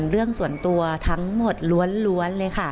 เรื่องส่วนตัวทั้งหมดล้วนเลยค่ะ